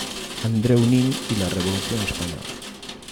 Andreu Nin y la revolución española".